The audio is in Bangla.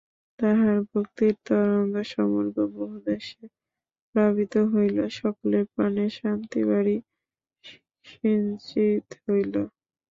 তাঁহার ভক্তির তরঙ্গ সমগ্র বঙ্গদেশে প্লাবিত হইল, সকলের প্রাণে শান্তিবারি সিঞ্চিত হইল।